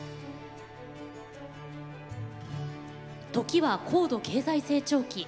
時は高度経済成長期。